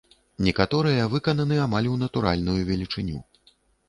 Некаторыя выкананы амаль у натуральную велічыню.